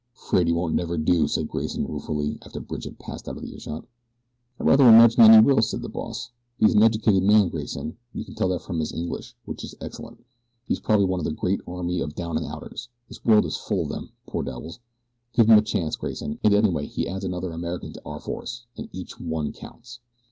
"'Fraid he won't never do," said Grayson, ruefully, after Bridge had passed out of earshot. "I rather imagine that he will," said the boss. "He is an educated man, Grayson you can tell that from his English, which is excellent. He's probably one of the great army of down and outers. The world is full of them poor devils. Give him a chance, Grayson, and anyway he adds another American to our force, and each one counts."